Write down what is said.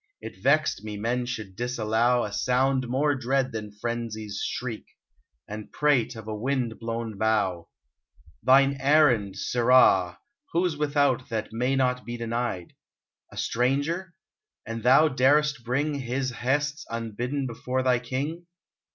It vexed me men should disallow 104 UNBIDDEN A sound more dread than frenzy's shriek, — And prate of a wind blown bough ! Thine errand, sirrah ! Who 's without That may not be denied ? A stranger ? And thou darest bring His bests unbidden before thy king